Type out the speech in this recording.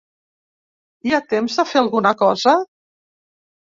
Hi ha temps de fer alguna cosa?